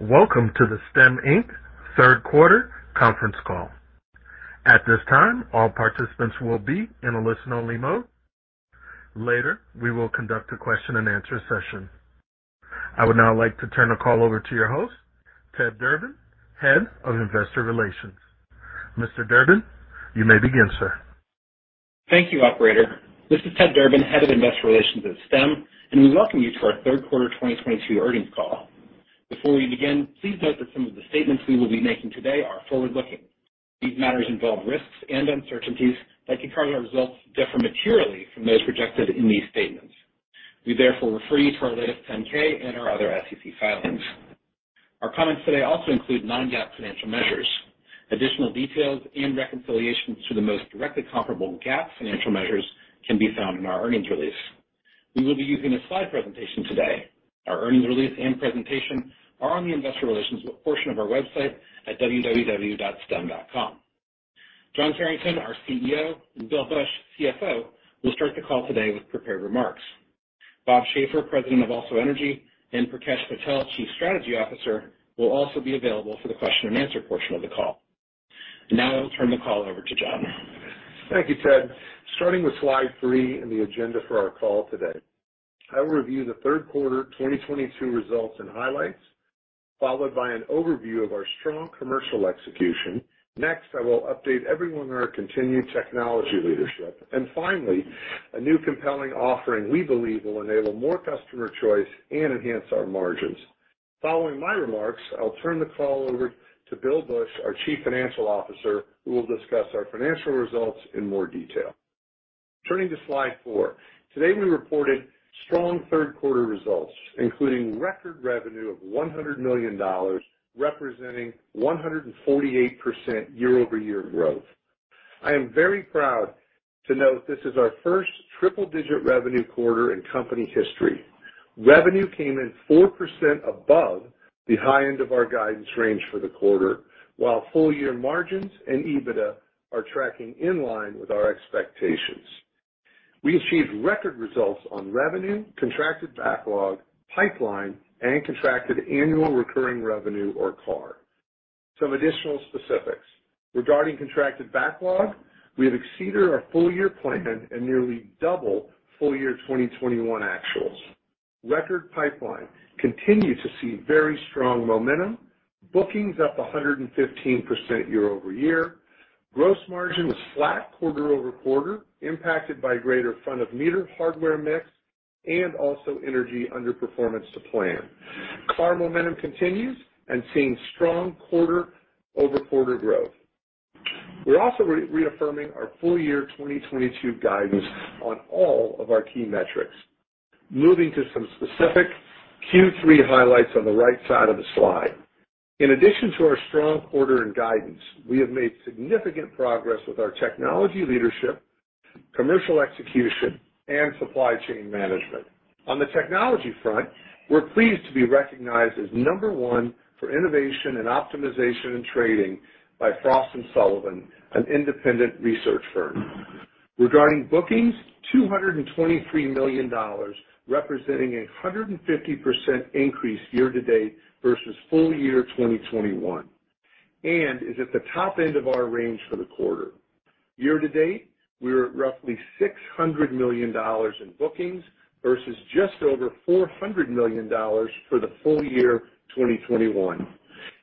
Welcome to the Stem Inc third quarter conference call. At this time, all participants will be in a listen-only mode. Later, we will conduct a question-and-answer session. I would now like to turn the call over to your host, Ted Durbin, Head of Investor Relations. Mr. Durbin, you may begin, sir. Thank you, operator. This is Ted Durbin, Head of Investor Relations at Stem, and we welcome you to our third quarter 2022 earnings call. Before we begin, please note that some of the statements we will be making today are forward-looking. These matters involve risks and uncertainties that can cause our results to differ materially from those projected in these statements. We therefore refer you to our latest 10-K and our other SEC filings. Our comments today also include non-GAAP financial measures. Additional details and reconciliations to the most directly comparable GAAP financial measures can be found in our earnings release. We will be using a slide presentation today. Our earnings release and presentation are on the investor relations portion of our website at www.stem.com. John Carrington, our CEO, and Bill Bush, CFO, will start the call today with prepared remarks. Bob Schaefer, President of AlsoEnergy, and Prakash Patel, Chief Strategy Officer, will also be available for the question-and-answer portion of the call. Now I'll turn the call over to John. Thank you, Ted. Starting with slide three in the agenda for our call today. I will review the third quarter 2022 results and highlights, followed by an overview of our strong commercial execution. Next, I will update everyone on our continued technology leadership. Finally, a new compelling offering we believe will enable more customer choice and enhance our margins. Following my remarks, I'll turn the call over to Bill Bush, our Chief Financial Officer, who will discuss our financial results in more detail. Turning to slide four. Today, we reported strong third quarter results, including record revenue of $100 million, representing 148% year-over-year growth. I am very proud to note this is our first triple-digit revenue quarter in company history. Revenue came in 4% above the high end of our guidance range for the quarter, while full-year margins and EBITDA are tracking in line with our expectations. We achieved record results on revenue, contracted backlog, pipeline, and contracted annual recurring revenue or CARR. Some additional specifics. Regarding contracted backlog, we have exceeded our full-year plan and nearly double full-year 2021 actuals. Record pipeline continues to see very strong momentum. Bookings up 115% year-over-year. Gross margin was flat quarter-over-quarter, impacted by greater front-of-the-meter hardware mix and AlsoEnergy underperformance to plan. CARR momentum continues and seeing strong quarter-over-quarter growth. We're also reaffirming our full-year 2022 guidance on all of our key metrics. Moving to some specific Q3 highlights on the right side of the slide. In addition to our strong quarter and guidance, we have made significant progress with our technology leadership, commercial execution, and supply chain management. On the technology front, we're pleased to be recognized as number one for innovation and optimization and trading by Frost & Sullivan, an independent research firm. Regarding bookings, $223 million, representing a 150% increase year to date versus full year 2021, and is at the top end of our range for the quarter. Year to date, we are at roughly $600 million in bookings versus just over $400 million for the full year 2021.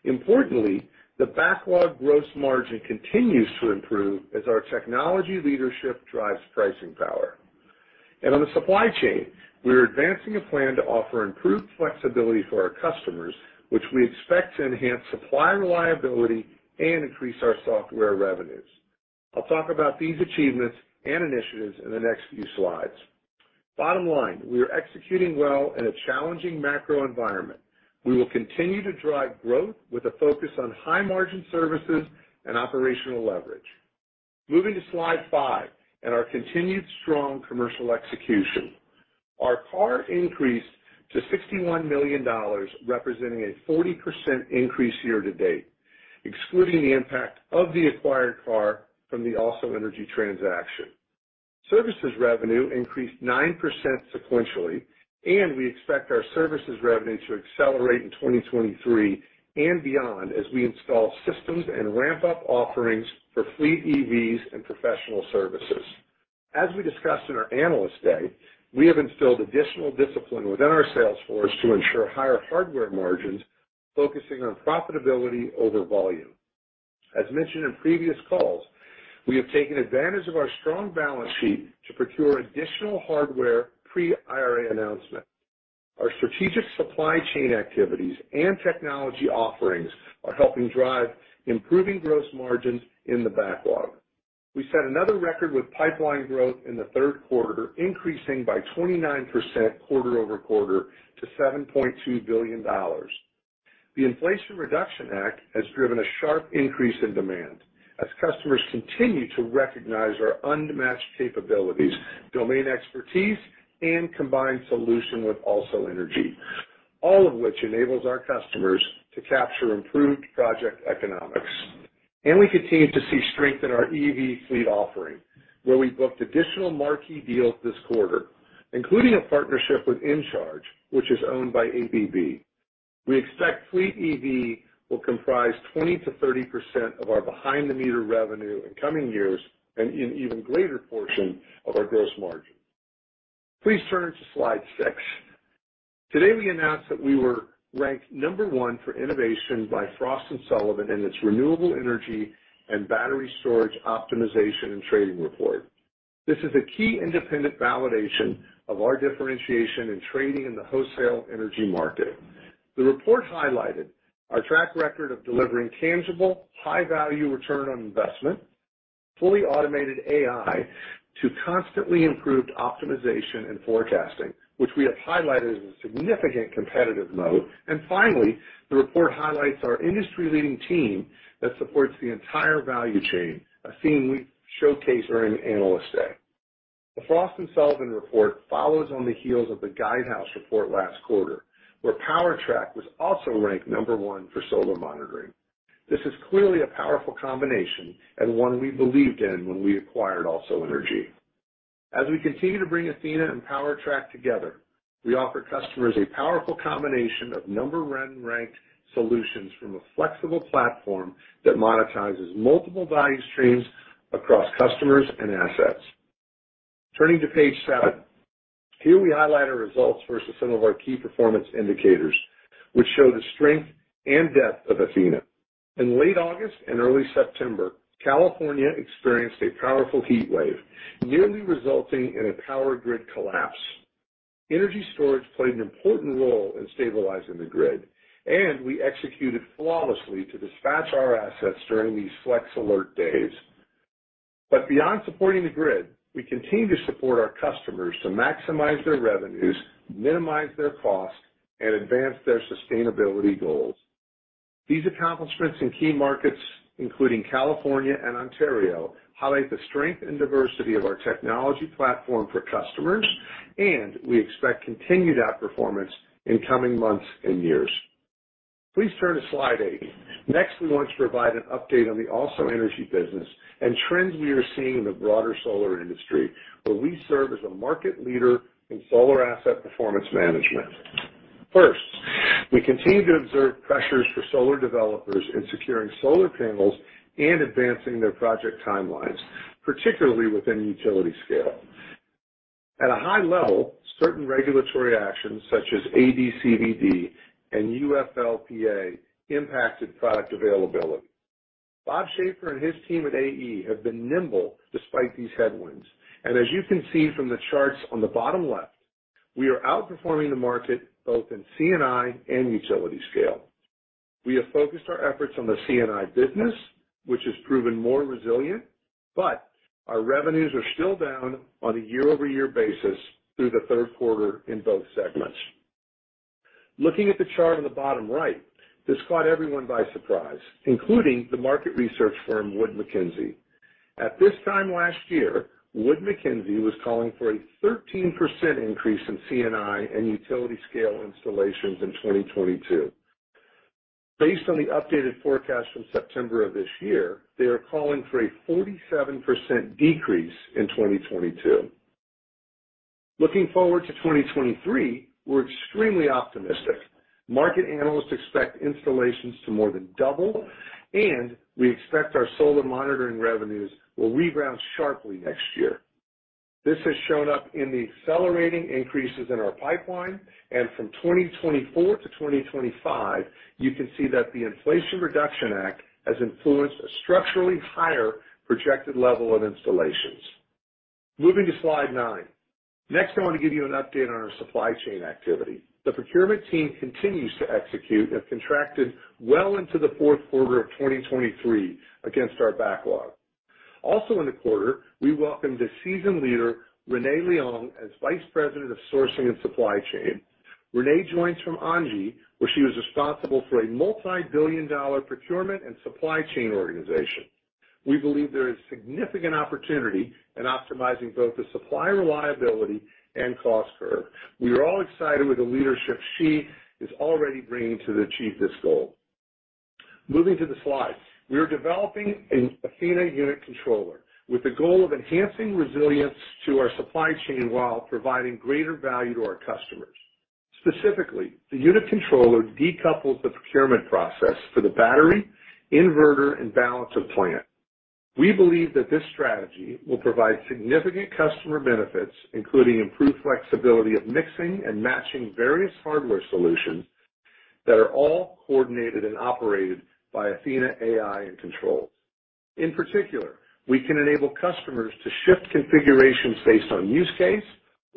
Importantly, the backlog gross margin continues to improve as our technology leadership drives pricing power. On the supply chain, we are advancing a plan to offer improved flexibility for our customers, which we expect to enhance supply reliability and increase our software revenues. I'll talk about these achievements and initiatives in the next few slides. Bottom line, we are executing well in a challenging macro environment. We will continue to drive growth with a focus on high margin services and operational leverage. Moving to slide five and our continued strong commercial execution. Our CARR increased to $61 million, representing a 40% increase year-to-date, excluding the impact of the acquired CARR from the AlsoEnergy transaction. Services revenue increased 9% sequentially, and we expect our services revenue to accelerate in 2023 and beyond as we install systems and ramp up offerings for fleet EVs and professional services. As we discussed in our Analyst Day, we have instilled additional discipline within our sales force to ensure higher hardware margins, focusing on profitability over volume. As mentioned in previous calls, we have taken advantage of our strong balance sheet to procure additional hardware pre-IRA announcement. Our strategic supply chain activities and technology offerings are helping drive improving gross margins in the backlog. We set another record with pipeline growth in the third quarter, increasing by 29% quarter-over-quarter to $7.2 billion. The Inflation Reduction Act has driven a sharp increase in demand as customers continue to recognize our unmatched capabilities, domain expertise, and combined solution with AlsoEnergy, all of which enables our customers to capture improved project economics. We continue to see strength in our EV fleet offering, where we booked additional marquee deals this quarter, including a partnership with InCharge Energy, which is owned by ABB. We expect fleet EV will comprise 20%-30% of our behind-the-meter revenue in coming years and an even greater portion of our gross margin. Please turn to slide six. Today, we announced that we were ranked number one for innovation by Frost & Sullivan in its Renewable Energy and Battery Storage Optimization and Trading report. This is a key independent validation of our differentiation in trading in the wholesale energy market. The report highlighted our track record of delivering tangible, high-value return on investment, fully automated AI to constantly improved optimization and forecasting, which we have highlighted as a significant competitive moat. Finally, the report highlights our industry-leading team that supports the entire value chain, a theme we showcased during Analyst Day. The Frost & Sullivan report follows on the heels of the Guidehouse report last quarter, where PowerTrack was also ranked number one for solar monitoring. This is clearly a powerful combination and one we believed in when we acquired AlsoEnergy. As we continue to bring Athena and PowerTrack together, we offer customers a powerful combination of number one-ranked solutions from a flexible platform that monetizes multiple value streams across customers and assets. Turning to page seven. Here we highlight our results versus some of our key performance indicators, which show the strength and depth of Athena. In late August and early September, California experienced a powerful heat wave, nearly resulting in a power grid collapse. Energy storage played an important role in stabilizing the grid, and we executed flawlessly to dispatch our assets during these flex alert days. Beyond supporting the grid, we continue to support our customers to maximize their revenues, minimize their costs, and advance their sustainability goals. These accomplishments in key markets, including California and Ontario, highlight the strength and diversity of our technology platform for customers, and we expect continued outperformance in coming months and years. Please turn to slide eight. Next, we want to provide an update on the AlsoEnergy business and trends we are seeing in the broader solar industry, where we serve as a market leader in solar asset performance management. First, we continue to observe pressures for solar developers in securing solar panels and advancing their project timelines, particularly within utility scale. At a high level, certain regulatory actions such as AD/CVD and UFLPA impacted product availability. Bob Schaefer and his team at AE have been nimble despite these headwinds, and as you can see from the charts on the bottom left, we are outperforming the market both in C&I and utility scale. We have focused our efforts on the C&I business, which has proven more resilient, but our revenues are still down on a year-over-year basis through the third quarter in both segments. Looking at the chart on the bottom right, this caught everyone by surprise, including the market research firm Wood Mackenzie. At this time last year, Wood Mackenzie was calling for a 13% increase in C&I and utility scale installations in 2022. Based on the updated forecast from September of this year, they are calling for a 47% decrease in 2022. Looking forward to 2023, we're extremely optimistic. Market analysts expect installations to more than double, and we expect our solar monitoring revenues will rebound sharply next year. This has shown up in the accelerating increases in our pipeline, and from 2024 to 2025, you can see that the Inflation Reduction Act has influenced a structurally higher projected level of installations. Moving to slide nine. Next, I want to give you an update on our supply chain activity. The procurement team continues to execute and have contracted well into the fourth quarter of 2023 against our backlog. Also in the quarter, we welcomed a seasoned leader, Renee Leong, as Vice President of Sourcing and Supply Chain. Renee joins from Angi, where she was responsible for a multi-billion-dollar procurement and supply chain organization. We believe there is significant opportunity in optimizing both the supply reliability and cost curve. We are all excited with the leadership she is already bringing to achieve this goal. Moving to the slides. We are developing an Athena unit controller with the goal of enhancing resilience to our supply chain while providing greater value to our customers. Specifically, the unit controller decouples the procurement process for the battery, inverter, and balance of plant. We believe that this strategy will provide significant customer benefits, including improved flexibility of mixing and matching various hardware solutions that are all coordinated and operated by Athena AI and controls. In particular, we can enable customers to shift configurations based on use case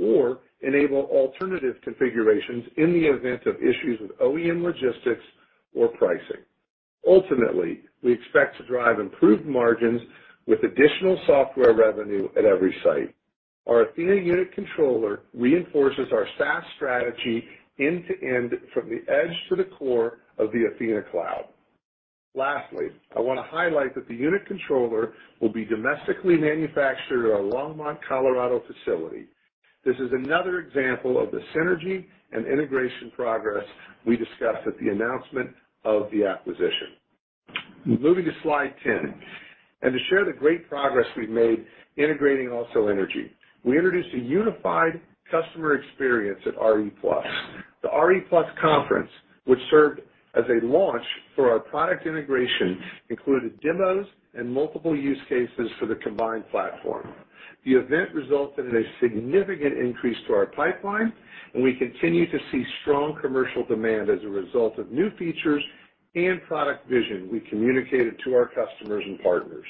or enable alternative configurations in the event of issues with OEM logistics or pricing. Ultimately, we expect to drive improved margins with additional software revenue at every site. Our Athena unit controller reinforces our SaaS strategy end-to-end from the edge to the core of the Athena cloud. Lastly, I want to highlight that the unit controller will be domestically manufactured at our Longmont, Colorado facility. This is another example of the synergy and integration progress we discussed at the announcement of the acquisition. Moving to slide 10, and to share the great progress we've made integrating AlsoEnergy. We introduced a unified customer experience at RE+. The RE+ conference, which served as a launch for our product integration, included demos and multiple use cases for the combined platform. The event resulted in a significant increase to our pipeline, and we continue to see strong commercial demand as a result of new features and product vision we communicated to our customers and partners.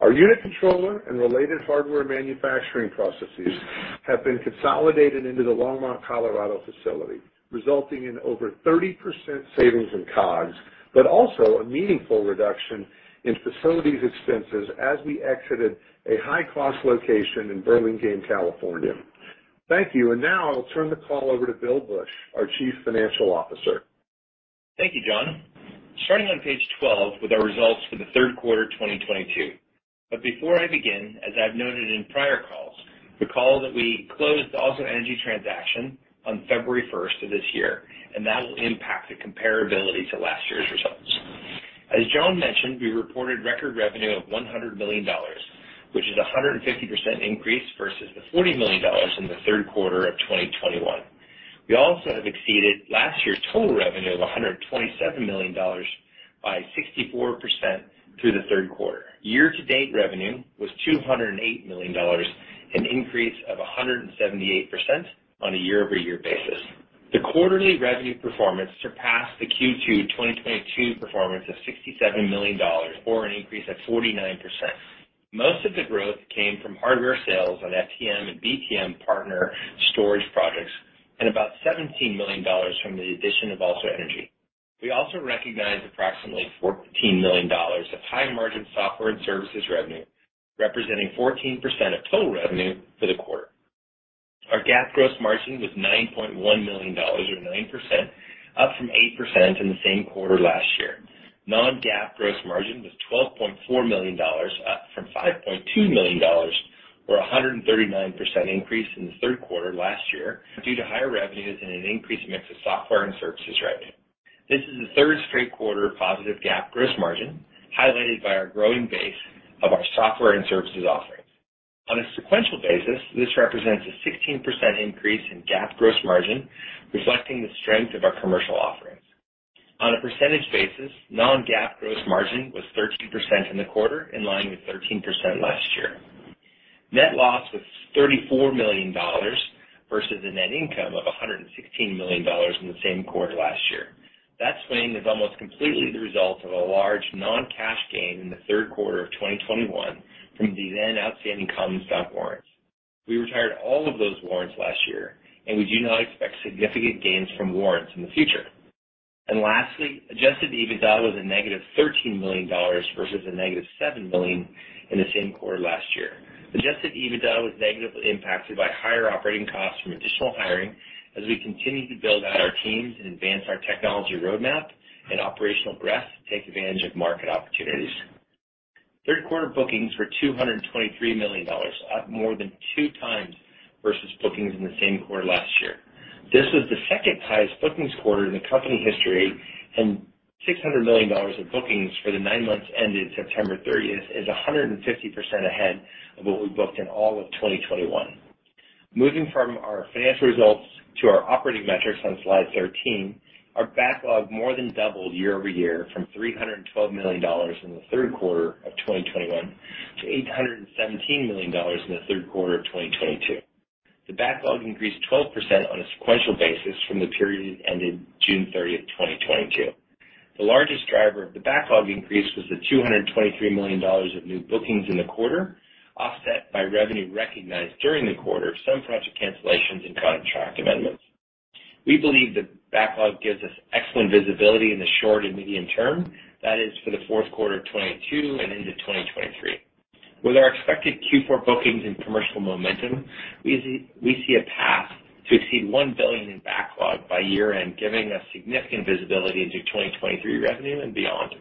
Our unit controller and related hardware manufacturing processes have been consolidated into the Longmont, Colorado facility, resulting in over 30% savings in COGS, but also a meaningful reduction in facilities expenses as we exited a high-cost location in Burlingame, California. Thank you. Now I'll turn the call over to Bill Bush, our Chief Financial Officer. Thank you, John. Starting on page 12 with our results for the third quarter, 2022. Before I begin, as I've noted in prior calls, recall that we closed the AlsoEnergy transaction on February 1 of this year, and that will impact the comparability to last year's results. As John mentioned, we reported record revenue of $100 million, which is a 150% increase versus the $40 million in the third quarter of 2021. We also have exceeded last year's total revenue of $127 million by 64% through the third quarter. Year-to-date revenue was $208 million, an increase of 178% on a year-over-year basis. The quarterly revenue performance surpassed the Q2 2022 performance of $67 million, or an increase of 49%. Most of the growth came from hardware sales on FTM and BTM partner storage projects and about $17 million from the addition of AlsoEnergy. We also recognized approximately $14 million of high-margin software and services revenue, representing 14% of total revenue for the quarter. Our GAAP gross margin was $9.1 million or 9%, up from 8% in the same quarter last year. Non-GAAP gross margin was $12.4 million, up from $5.2 million or a 139% increase in the third quarter last year due to higher revenues and an increased mix of software and services revenue. This is the third straight quarter of positive GAAP gross margin, highlighted by our growing base of our software and services offerings. On a sequential basis, this represents a 16% increase in GAAP gross margin, reflecting the strength of our commercial offerings. On a percentage basis, non-GAAP gross margin was 13% in the quarter, in line with 13% last year. Net loss was $34 million versus a net income of $116 million in the same quarter last year. That swing is almost completely the result of a large non-cash gain in the third quarter of 2021 from the then outstanding common stock warrants. We retired all of those warrants last year, and we do not expect significant gains from warrants in the future. Lastly, adjusted EBITDA was a -$13 million versus a -$7 million in the same quarter last year. Adjusted EBITDA was negatively impacted by higher operating costs from additional hiring as we continue to build out our teams and advance our technology roadmap and operational breadth to take advantage of market opportunities. Third quarter bookings were $223 million, up more than 2x versus bookings in the same quarter last year. This was the second highest bookings quarter in the company history, and $600 million of bookings for the nine months ended September 30 is 150% ahead of what we booked in all of 2021. Moving from our financial results to our operating metrics on slide 13, our backlog more than doubled year-over-year from $312 million in the third quarter of 2021 to $817 million in the third quarter of 2022. The backlog increased 12% on a sequential basis from the period ended June 30, 2022. The largest driver of the backlog increase was the $223 million of new bookings in the quarter, offset by revenue recognized during the quarter, some project cancellations and contract amendments. We believe the backlog gives us excellent visibility in the short and medium term, that is, for the fourth quarter of 2022 and into 2023. With our expected Q4 bookings and commercial momentum, we see a path to exceed $1 billion in backlog by year-end, giving us significant visibility into 2023 revenue and beyond.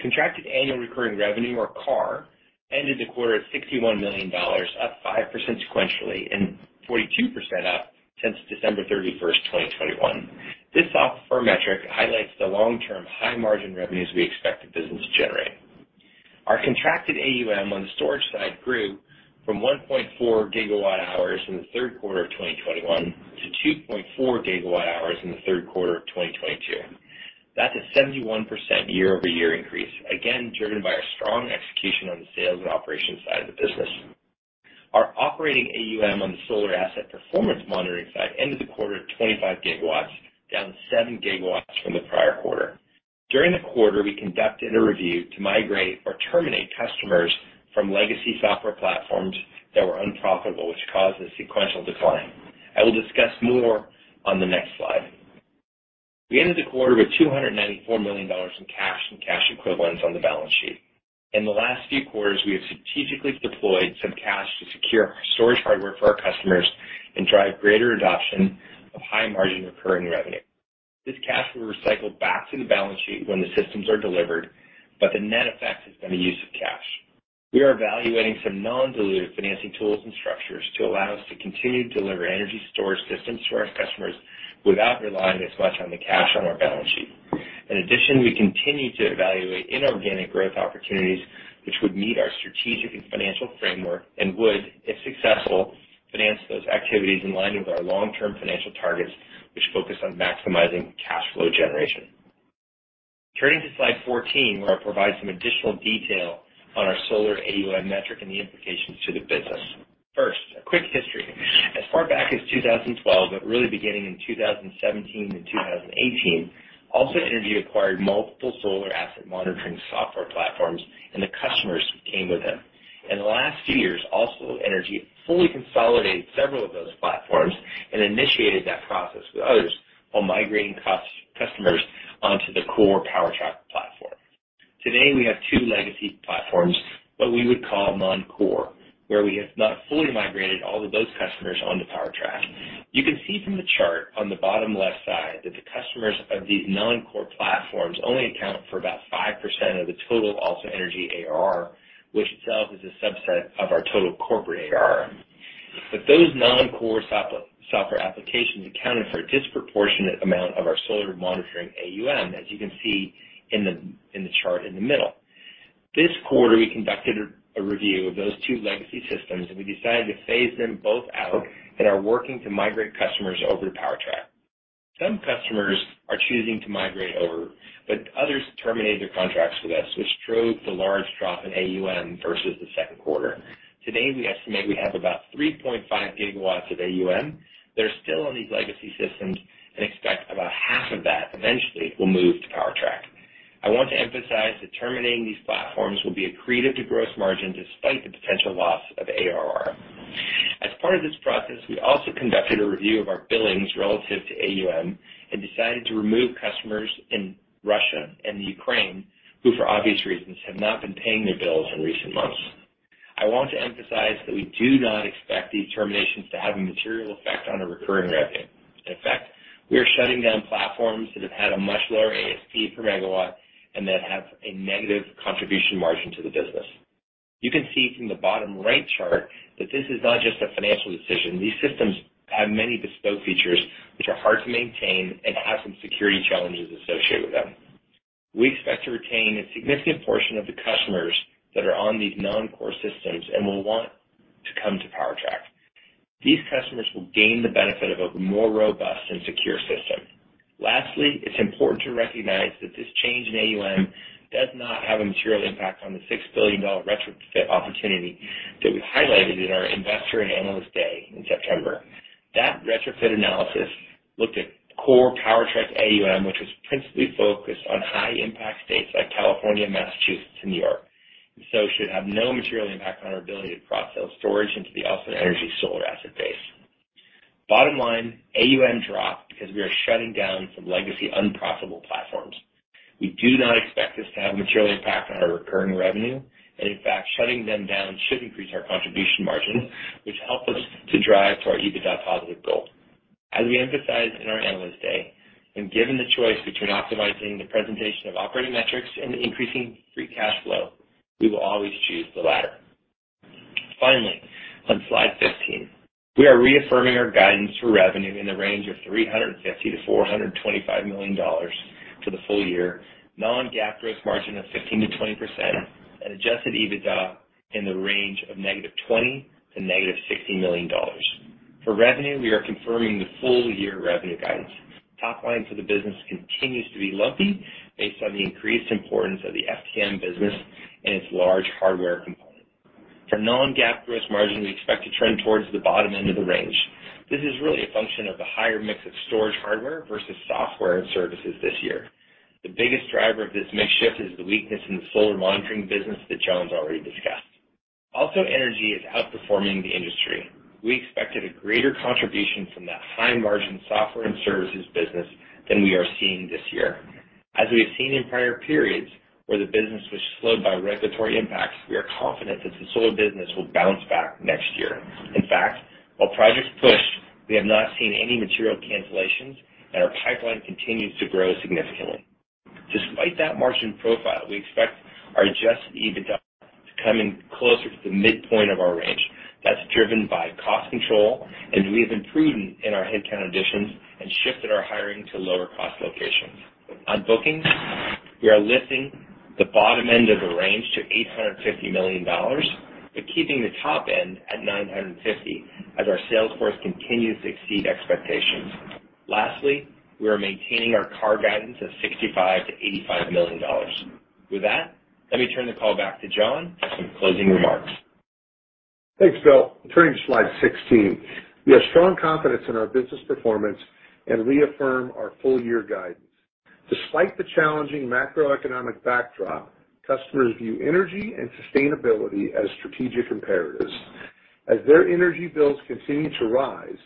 Contracted annual recurring revenue or CARR ended the quarter at $61 million, up 5% sequentially and 42% up since December 31, 2021. This software metric highlights the long-term high-margin revenues we expect the business to generate. Our contracted AUM on the storage side grew from 1.4 gigawatt hours in the third quarter of 2021 to 2.4 gigawatt hours in the third quarter of 2022. That's a 71% year-over-year increase, again driven by our strong execution on the sales and operations side of the business. Our operating AUM on the solar asset performance monitoring side ended the quarter at 25 gigawatts, down 7 GW from the prior quarter. During the quarter, we conducted a review to migrate or terminate customers from legacy software platforms that were unprofitable, which caused a sequential decline. I will discuss more on the next slide. We ended the quarter with $294 million in cash and cash equivalents on the balance sheet. In the last few quarters, we have strategically deployed some cash to secure our storage hardware for our customers and drive greater adoption of high-margin recurring revenue. This cash will recycle back to the balance sheet when the systems are delivered, but the net effect has been a use of cash. We are evaluating some non-dilutive financing tools and structures to allow us to continue to deliver energy storage systems to our customers without relying as much on the cash on our balance sheet. In addition, we continue to evaluate inorganic growth opportunities which would meet our strategic and financial framework and would, if successful, finance those activities in line with our long-term financial targets, which focus on maximizing cash flow generation. Turning to slide 14, where I'll provide some additional detail on our solar AUM metric and the implications to the business. First, a quick history. As far back as 2012, but really beginning in 2017 and 2018, AlsoEnergy acquired multiple solar asset monitoring software platforms, and the customers came with them. In the last few years, AlsoEnergy fully consolidated several of those platforms and initiated that process with others while migrating customers onto the core PowerTrack platform. Today, we have two legacy platforms that we would call non-core, where we have not fully migrated all of those customers onto PowerTrack. You can see from the chart on the bottom left side that the customers of these non-core platforms only account for about 5% of the total AlsoEnergy ARR, which itself is a subset of our total corporate ARR. Those non-core software applications accounted for a disproportionate amount of our solar monitoring AUM, as you can see in the chart in the middle. This quarter, we conducted a review of those two legacy systems, and we decided to phase them both out and are working to migrate customers over to PowerTrack. Some customers are choosing to migrate over, but others terminated their contracts with us, which drove the large drop in AUM versus the second quarter. Today, we estimate we have about 3.5 gigawatts of AUM that are still on these legacy systems and expect about half of that eventually will move to PowerTrack. I want to emphasize that terminating these platforms will be accretive to gross margin despite the potential loss of ARR. As part of this process, we also conducted a review of our billings relative to AUM and decided to remove customers in Russia and the Ukraine, who for obvious reasons, have not been paying their bills in recent months. I want to emphasize that we do not expect these terminations to have a material effect on our recurring revenue. In fact, we are shutting down platforms that have had a much lower ASP per megawatt and that have a negative contribution margin to the business. You can see from the bottom right chart that this is not just a financial decision. These systems have many bespoke features which are hard to maintain and have some security challenges associated with them. We expect to retain a significant portion of the customers that are on these non-core systems and will want to come to PowerTrack. These customers will gain the benefit of a more robust and secure system. Lastly, it's important to recognize that this change in AUM does not have a material impact on the $6 billion retrofit opportunity that we highlighted in our Investor and Analyst Day in September. That retrofit analysis looked at core PowerTrack AUM, which was principally focused on high-impact states like California, Massachusetts, and New York, and so should have no material impact on our ability to cross-sell storage into the AlsoEnergy solar asset base. Bottom line, AUM dropped because we are shutting down some legacy unprofitable platforms. We do not expect this to have a material impact on our recurring revenue, and in fact, shutting them down should increase our contribution margin, which help us to drive to our EBITDA positive goal. As we emphasized in our Analyst Day, when given the choice between optimizing the presentation of operating metrics and increasing free cash flow, we will always choose the latter. Finally, on slide 15, we are reaffirming our guidance for revenue in the range of $350 million-$425 million for the full year, non-GAAP gross margin of 15%-20% and adjusted EBITDA in the range of -$20 million to -$60 million. For revenue, we are confirming the full-year revenue guidance. Top line for the business continues to be lumpy based on the increased importance of the FTM business and its large hardware component. For non-GAAP gross margin, we expect to trend towards the bottom end of the range. This is really a function of the higher mix of storage hardware versus software and services this year. The biggest driver of this mix shift is the weakness in the solar monitoring business that John's already discussed. AlsoEnergy is outperforming the industry. We expected a greater contribution from that high-margin software and services business than we are seeing this year. As we have seen in prior periods where the business was slowed by regulatory impacts, we are confident that the solar business will bounce back next year. In fact, while projects push, we have not seen any material cancellations, and our pipeline continues to grow significantly. Despite that margin profile, we expect our adjusted EBITDA to come in closer to the midpoint of our range. That's driven by cost control, as we have been prudent in our headcount additions and shifted our hiring to lower-cost locations. On bookings, we are lifting the bottom end of the range to $850 million, but keeping the top end at $950 million as our sales force continues to exceed expectations. Lastly, we are maintaining our CAR guidance of $65 million-$85 million. With that, let me turn the call back to John for some closing remarks. Thanks, Bill. Turning to slide 16. We have strong confidence in our business performance and reaffirm our full-year guidance. Despite the challenging macroeconomic backdrop, customers view energy and sustainability as strategic imperatives. As their energy bills continue to rise,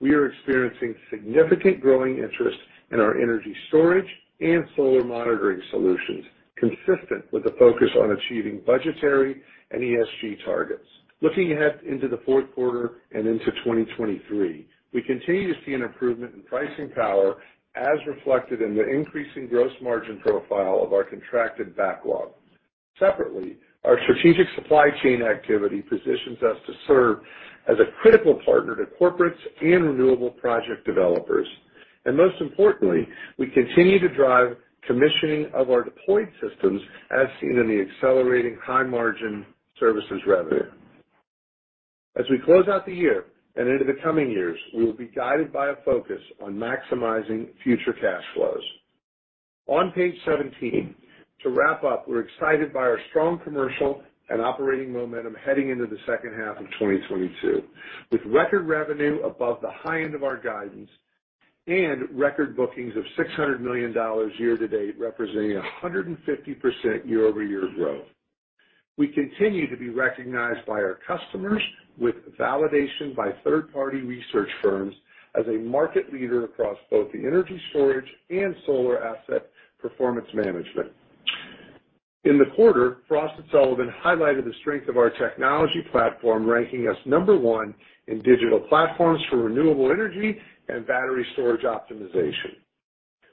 we are experiencing significant growing interest in our energy storage and solar monitoring solutions, consistent with the focus on achieving budgetary and ESG targets. Looking ahead into the fourth quarter and into 2023, we continue to see an improvement in pricing power, as reflected in the increasing gross margin profile of our contracted backlog. Separately, our strategic supply chain activity positions us to serve as a critical partner to corporates and renewable project developers. Most importantly, we continue to drive commissioning of our deployed systems, as seen in the accelerating high margin services revenue. As we close out the year and into the coming years, we will be guided by a focus on maximizing future cash flows. On page 17, to wrap up, we're excited by our strong commercial and operating momentum heading into the second half of 2022. With record revenue above the high end of our guidance and record bookings of $600 million year-to-date, representing 150% year-over-year growth. We continue to be recognized by our customers with validation by third-party research firms as a market leader across both the energy storage and solar asset performance management. In the quarter, Frost & Sullivan highlighted the strength of our technology platform, ranking us number one in digital platforms for renewable energy and battery storage optimization.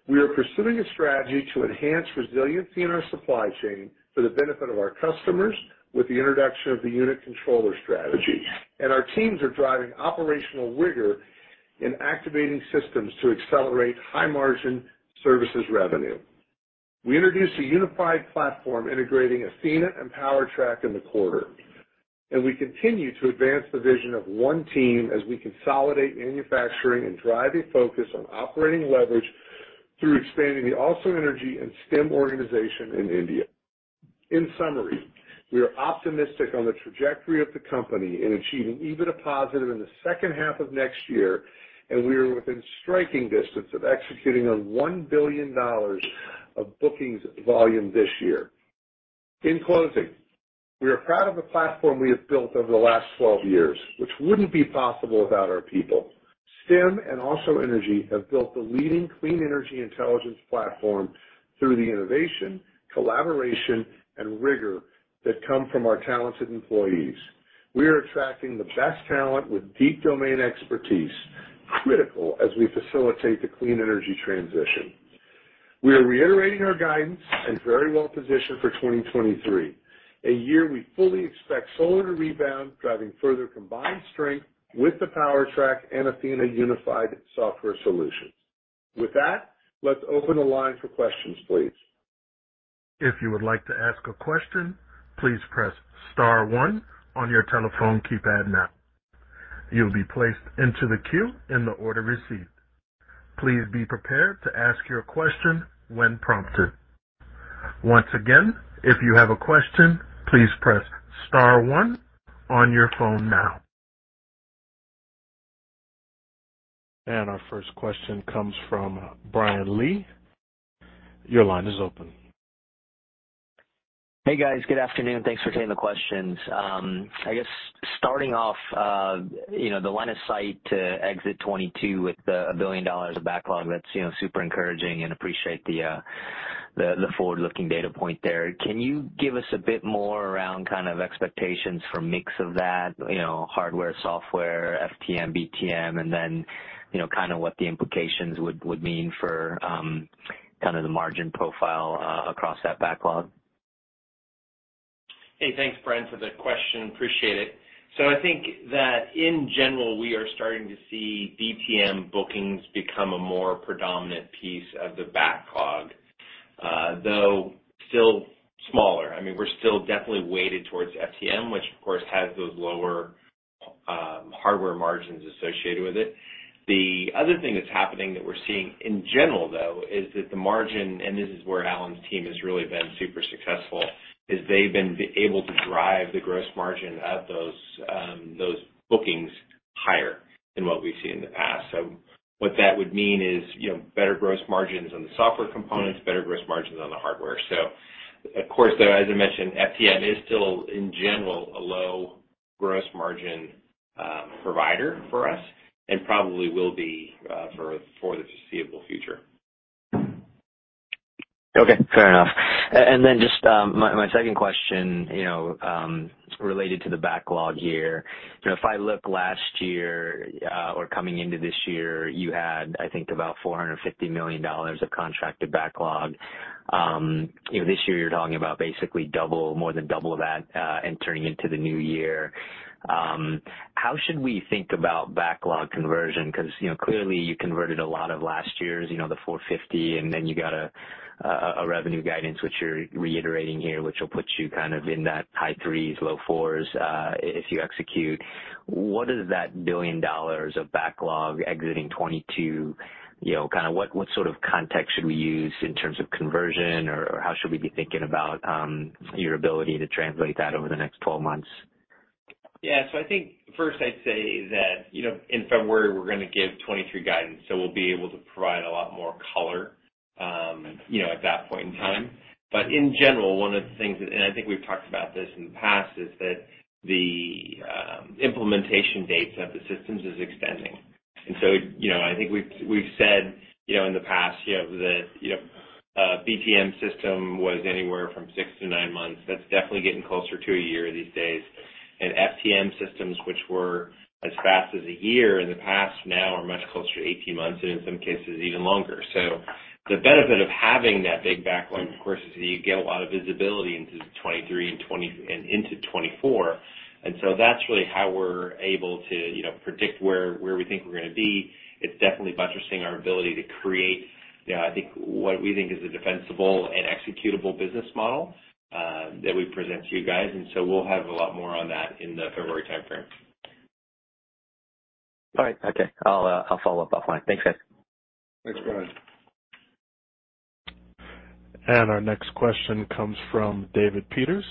We are pursuing a strategy to enhance resiliency in our supply chain for the benefit of our customers with the introduction of the unit controller strategy. Our teams are driving operational rigor in activating systems to accelerate high-margin services revenue. We introduced a unified platform integrating Athena and PowerTrack in the quarter, and we continue to advance the vision of one team as we consolidate manufacturing and drive a focus on operating leverage through expanding the AlsoEnergy and Stem organization in India. In summary, we are optimistic on the trajectory of the company in achieving EBITDA positive in the second half of next year, and we are within striking distance of executing $1 billion of bookings volume this year. In closing, we are proud of the platform we have built over the last 12 years, which wouldn't be possible without our people. Stem and AlsoEnergy have built the leading clean energy intelligence platform through the innovation, collaboration, and rigor that come from our talented employees. We are attracting the best talent with deep domain expertise, critical as we facilitate the clean energy transition. We are reiterating our guidance and very well positioned for 2023, a year we fully expect solar to rebound, driving further combined strength with the PowerTrack and Athena unified software solutions. With that, let's open the line for questions, please. If you would like to ask a question, please press star one on your telephone keypad now. You'll be placed into the queue in the order received. Please be prepared to ask your question when prompted. Once again, if you have a question, please press star one on your phone now. Our first question comes from Brian Lee. Your line is open. Hey, guys. Good afternoon. Thanks for taking the questions. I guess starting off, you know, the line of sight to exit 2022 with a $1 billion of backlog, that's, you know, super encouraging and appreciate the forward-looking data point there. Can you give us a bit more around kind of expectations for mix of that, you know, hardware, software, FTM, BTM, and then, you know, kinda what the implications would mean for, kinda the margin profile, across that backlog? Hey, thanks, Brian, for the question. Appreciate it. I think that in general, we are starting to see BTM bookings become a more predominant piece of the backlog, though still smaller. I mean, we're still definitely weighted towards FTM, which of course has those lower hardware margins associated with it. The other thing that's happening that we're seeing in general, though, is that the margin, and this is where Alan's team has really been super successful, is they've been able to drive the gross margin of those bookings higher than what we've seen in the past. So what that would mean is, you know, better gross margins on the software components, better gross margins on the hardware. Of course, though, as I mentioned, FTM is still, in general, a low gross margin provider for us and probably will be for the foreseeable future. Okay, fair enough. Then just my second question, you know, related to the backlog here. You know, if I look last year, or coming into this year, you had, I think, about $450 million of contracted backlog. You know, this year, you're talking about basically double, more than double that, and turning into the new year. How should we think about backlog conversion? 'Cause, you know, clearly you converted a lot of last year's, you know, the $450 million, and then you got a revenue guidance which you're reiterating here, which will put you kind of in that high threes, low fours, if you execute. What is that $1 billion of backlog exiting 2022? You know, kinda what sort of context should we use in terms of conversion, or how should we be thinking about your ability to translate that over the next twelve months? Yeah. I think first I'd say that, you know, in February, we're gonna give 2023 guidance, so we'll be able to provide a lot more color, you know, at that point in time. In general, one of the things, and I think we've talked about this in the past, is that the implementation dates of the systems is extending. You know, I think we've said, you know, in the past, you know, that, you know, a BTM system was anywhere from six-nine months. That's definitely getting closer to a year these days. FTM systems which were as fast as a year in the past now are much closer to 18 months, and in some cases, even longer. The benefit of having that big backlog, of course, is that you get a lot of visibility into 2023 and 2024. That's really how we're able to, you know, predict where we think we're gonna be. It's definitely buttressing our ability to create, you know, I think what we think is a defensible and executable business model, that we present to you guys. We'll have a lot more on that in the February timeframe. All right. Okay. I'll follow up offline. Thanks, guys. Thanks, Brian. Our next question comes from David Peters.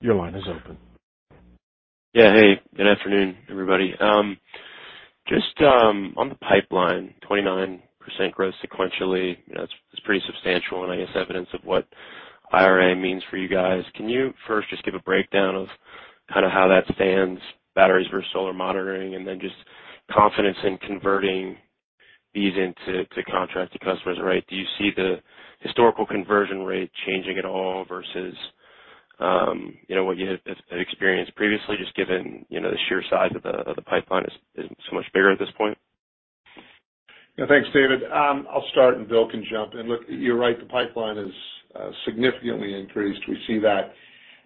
Your line is open. Yeah. Hey, good afternoon, everybody. Just on the pipeline, 29% growth sequentially, you know, it's pretty substantial and I guess evidence of what IRA means for you guys. Can you first just give a breakdown of kind of how that stands, batteries versus solar monitoring, and then just confidence in converting these into contracted customers, right? Do you see the historical conversion rate changing at all versus, you know, what you had experienced previously just given, you know, the sheer size of the of the pipeline is so much bigger at this point? Yeah. Thanks, David. I'll start and Bill can jump in. Look, you're right, the pipeline is significantly increased. We see that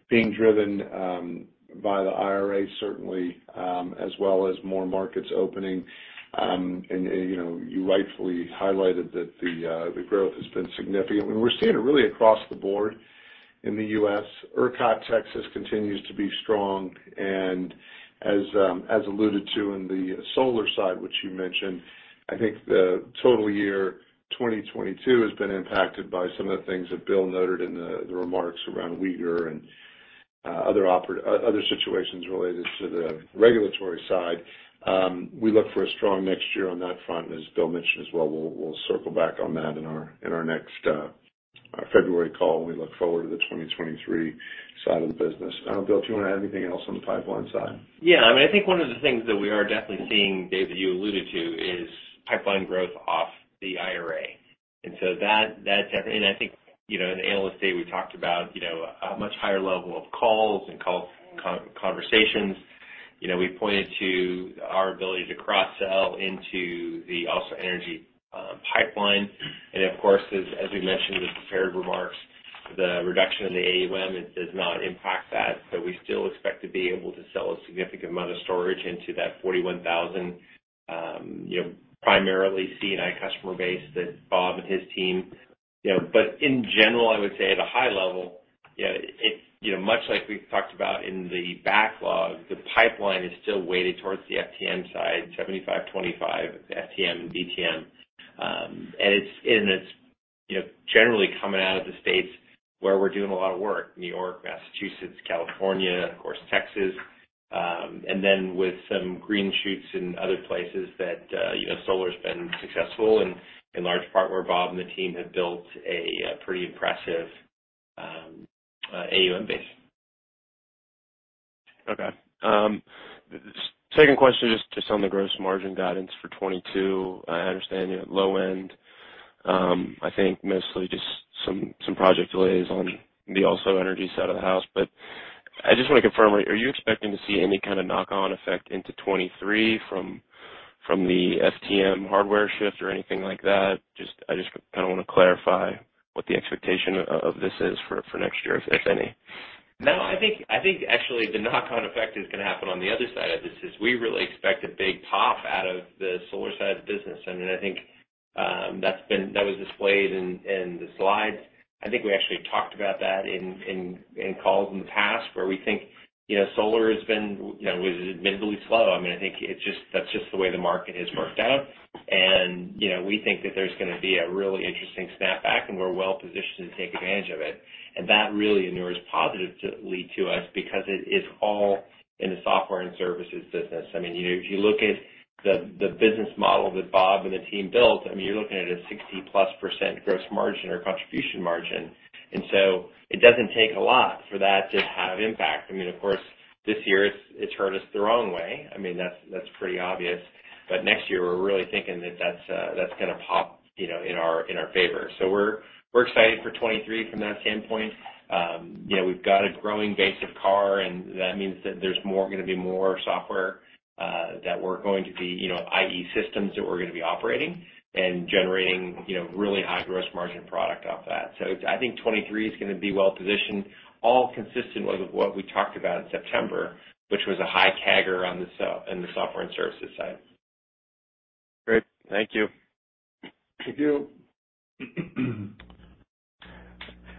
being driven by the IRA certainly as well as more markets opening. You know, you rightfully highlighted that the growth has been significant. We're seeing it really across the board in the U.S. ERCOT Texas continues to be strong. As alluded to in the solar side, which you mentioned, I think the total year 2022 has been impacted by some of the things that Bill noted in the remarks around Uyghur and other situations related to the regulatory side. We look for a strong next year on that front, and as Bill mentioned as well, we'll circle back on that in our next February call when we look forward to the 2023 side of the business. Bill, do you wanna add anything else on the pipeline side? Yeah. I mean, I think one of the things that we are definitely seeing, David, that you alluded to is pipeline growth off the IRA. I think, you know, in the analyst day we talked about, you know, a much higher level of calls and call conversations. You know, we pointed to our ability to cross-sell into the AlsoEnergy pipeline. Of course, as we mentioned in the prepared remarks, the reduction in the AUM, it does not impact that. We still expect to be able to sell a significant amount of storage into that 41,000, you know, primarily C&I customer base that Bob and his team, you know. In general, I would say at a high level, you know, it, you know, much like we've talked about in the backlog, the pipeline is still weighted towards the FTM side, 75/25 FTM and BTM. And it's, you know, generally coming out of the states where we're doing a lot of work, New York, Massachusetts, California, of course, Texas. And then with some green shoots in other places that, you know, solar's been successful in large part where Bob and the team have built a pretty impressive AUM base. Okay. Second question just on the gross margin guidance for 2022. I understand you're at low end, I think mostly just some project delays on the AlsoEnergy side of the house. But I just wanna confirm, are you expecting to see any kind of knock-on effect into 2023 from the FTM hardware shift or anything like that? I just kinda wanna clarify what the expectation of this is for next year, if any. No, I think actually the knock-on effect is gonna happen on the other side of this. We really expect a big pop out of the solar side of the business. I mean, I think that's been that was displayed in the slides. I think we actually talked about that in calls in the past where we think, you know, solar has been, you know, was admittedly slow. I mean, I think it just, that's just the way the market has worked out. You know, we think that there's gonna be a really interesting snapback, and we're well-positioned to take advantage of it. That really inures positively to us because it is all in the software and services business. I mean, you know, if you look at the business model that Bob and the team built, I mean, you're looking at a 60%+ gross margin or contribution margin. It doesn't take a lot for that to have impact. I mean, of course, this year it's hurt us the wrong way. I mean, that's pretty obvious. Next year we're really thinking that that's gonna pop, you know, in our favor. We're excited for 2023 from that standpoint. You know, we've got a growing base of CARR, and that means that there's gonna be more software that we're going to be, you know, AI systems that we're gonna be operating and generating, you know, really high gross margin product off that. I think 2023 is gonna be well positioned, all consistent with what we talked about in September, which was a high CAGR on the software and services side. Great. Thank you. Thank you.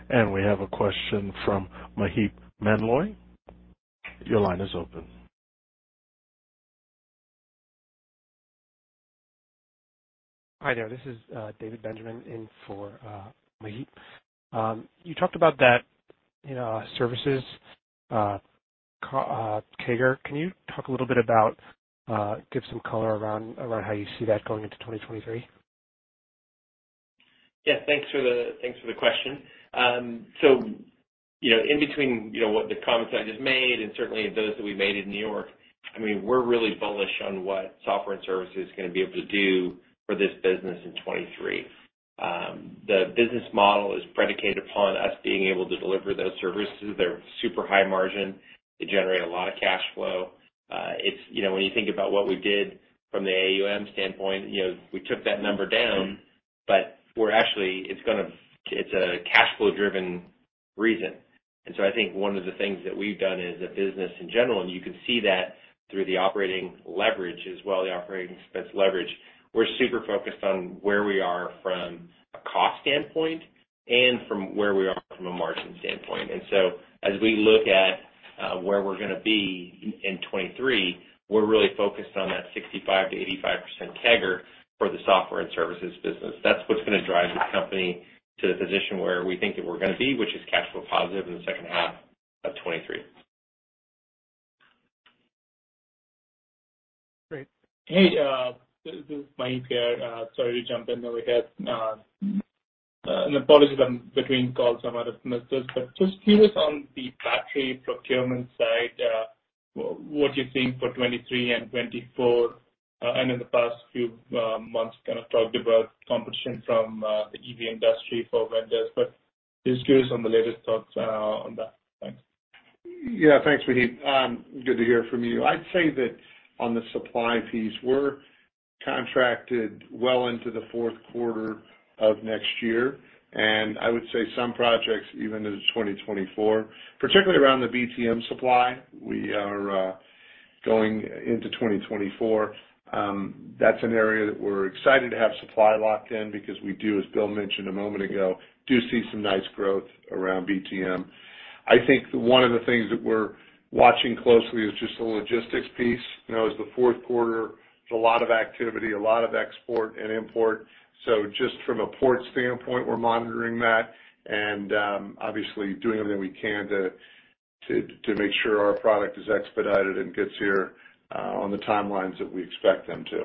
We have a question from Maheep Mandloi. Your line is open. Hi there. This is David Benjamin in for Maheep. You talked about that, you know, services CAGR. Can you talk a little bit about, give some color around how you see that going into 2023? Yeah. Thanks for the question. You know, in between the comments I just made and certainly those that we made in New York, I mean, we're really bullish on what software and services is gonna be able to do for this business in 2023. The business model is predicated upon us being able to deliver those services. They're super high margin. They generate a lot of cash flow. You know, when you think about what we did from the AUM standpoint, you know, we took that number down, but it's a cash flow-driven reason. I think one of the things that we've done as a business in general, and you can see that through the operating leverage as well, the operating expense leverage, we're super focused on where we are from a cost standpoint and from where we are from a margin standpoint. As we look at where we're gonna be in 2023, we're really focused on that 65%-85% CAGR for the software and services business. That's what's gonna drive the company to the position where we think that we're gonna be, which is cash flow positive in the second half of 2023. Great. Hey, this is Maheep here. Sorry to jump in over here. Apologies, I'm between calls. I might have missed this, but just curious on the battery procurement side, what you're seeing for 2023 and 2024. I know the past few months kind of talked about competition from the EV industry for vendors, but just curious on the latest thoughts on that. Thanks. Yeah. Thanks, Maheep. Good to hear from you. I'd say that on the supply piece, we're contracted well into the fourth quarter of next year, and I would say some projects even into 2024. Particularly around the BTM supply, we are going into 2024. That's an area that we're excited to have supply locked in because we do, as Bill mentioned a moment ago, do see some nice growth around BTM. I think one of the things that we're watching closely is just the logistics piece. You know, as the fourth quarter, there's a lot of activity, a lot of export and import. So just from a port standpoint, we're monitoring that and obviously doing everything we can to make sure our product is expedited and gets here on the timelines that we expect them to.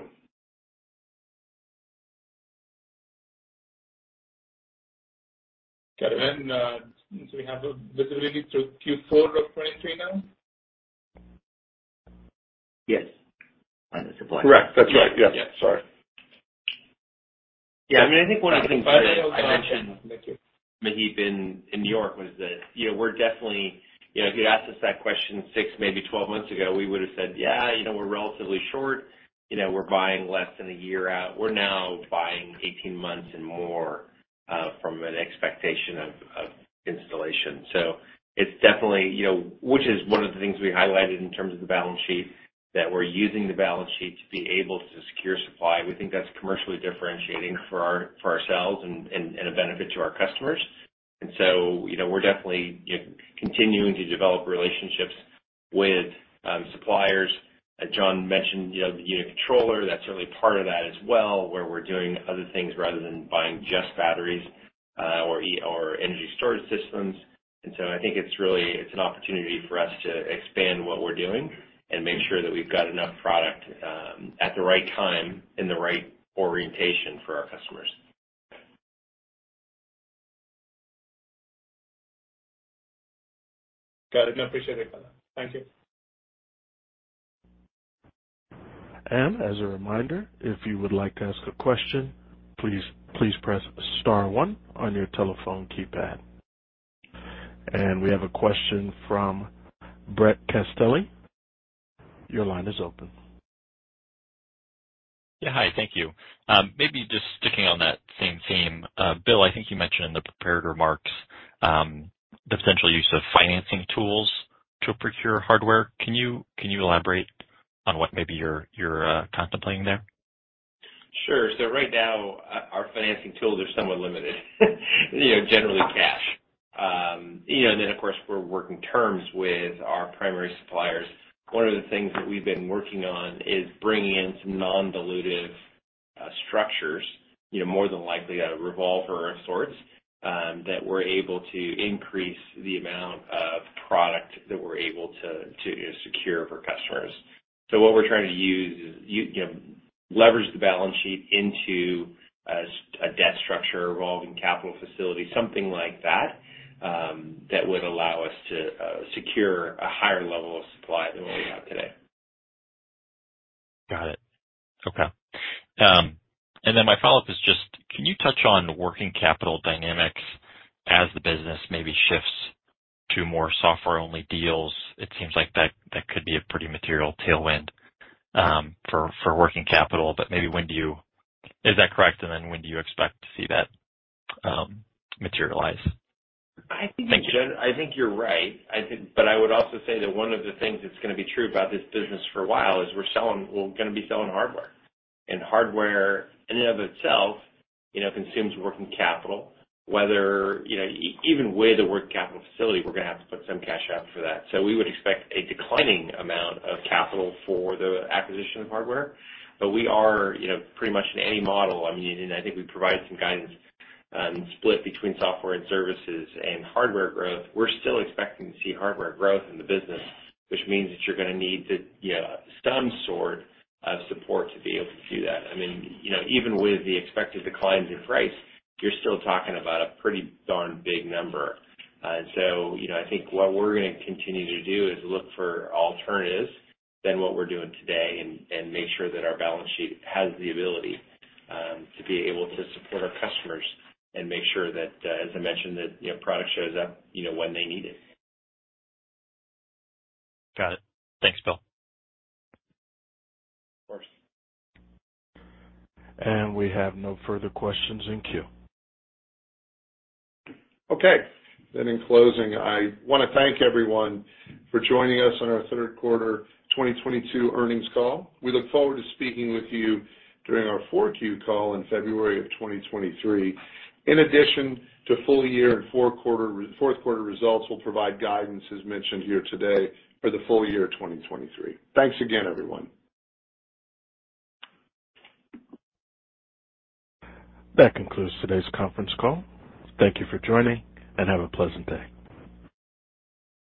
Got it. We have a visibility through Q4 of 2023 now? Yes. On the supply. Correct. That's right. Yes. Sorry. Yeah, I mean, I think one of the things I mentioned. Thank you. Maheep in New York was that, you know, we're definitely. You know, if you'd asked us that question six, maybe 12 months ago, we would have said, "Yeah, you know, we're relatively short. You know, we're buying less than a year out." We're now buying 18 months and more from an expectation of installation. It's definitely, you know, which is one of the things we highlighted in terms of the balance sheet, that we're using the balance sheet to be able to secure supply. We think that's commercially differentiating for ourselves and a benefit to our customers. You know, we're definitely continuing to develop relationships with suppliers. As John mentioned, you know, the unit controller, that's certainly part of that as well, where we're doing other things rather than buying just batteries, or energy storage systems. I think it's really an opportunity for us to expand what we're doing and make sure that we've got enough product at the right time in the right orientation for our customers. Got it. No, appreciate it. Thank you. As a reminder, if you would like to ask a question, please press star one on your telephone keypad. We have a question from Brett Castelli. Your line is open. Yeah. Hi. Thank you. Maybe just sticking on that same theme. Bill, I think you mentioned in the prepared remarks, the potential use of financing tools to procure hardware. Can you elaborate on what maybe you're contemplating there? Sure. Right now, our financing tools are somewhat limited. You know, generally cash. You know, and then of course, we're working terms with our primary suppliers. One of the things that we've been working on is bringing in some non-dilutive structures, you know, more than likely a revolver of sorts, that we're able to increase the amount of product that we're able to secure for customers. What we're trying to use is, you know, leverage the balance sheet into a debt structure, revolving capital facility, something like that would allow us to secure a higher level of supply than what we have today. Got it. Okay. My follow-up is just, can you touch on working capital dynamics as the business maybe shifts to more software-only deals? It seems like that could be a pretty material tailwind for working capital. Is that correct? When do you expect to see that materialize? Thank you. I think you're right. I would also say that one of the things that's gonna be true about this business for a while is we're gonna be selling hardware. Hardware in and of itself, you know, consumes working capital. Whether, you know, even with the working capital facility, we're gonna have to put some cash out for that. We would expect a declining amount of capital for the acquisition of hardware. We are, you know, pretty much in any model, I mean, and I think we provided some guidance on split between software and services and hardware growth, we're still expecting to see hardware growth in the business, which means that you're gonna need to, you know, some sort of support to be able to do that. I mean, you know, even with the expected declines in price, you're still talking about a pretty darn big number. You know, I think what we're gonna continue to do is look for alternatives than what we're doing today and make sure that our balance sheet has the ability to be able to support our customers and make sure that, as I mentioned, the, you know, product shows up, you know, when they need it. Got it. Thanks, Bill. Of course. We have no further questions in queue. Okay. In closing, I wanna thank everyone for joining us on our third quarter 2022 earnings call. We look forward to speaking with you during our 4Q call in February of 2023. In addition to full year and fourth-quarter results, we'll provide guidance, as mentioned here today, for the full year 2023. Thanks again, everyone. That concludes today's conference call. Thank you for joining, and have a pleasant day.